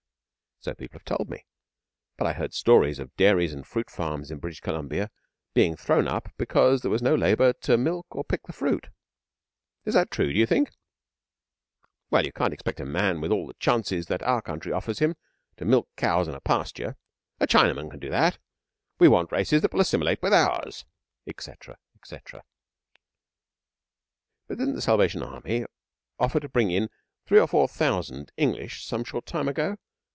'So people have told me. But I heard stories of dairies and fruit farms in British Columbia being thrown up because there was no labour to milk or pick the fruit. Is that true, d'you think?' 'Well, you can't expect a man with all the chances that our country offers him to milk cows in a pasture. A Chinaman can do that. We want races that will assimilate with ours,' etc., etc. 'But didn't the Salvation Army offer to bring in three or four thousand English some short time ago?